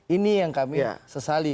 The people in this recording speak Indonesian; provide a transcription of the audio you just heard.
ini yang kami sesali